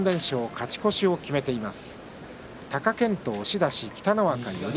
勝ち越しを決めています。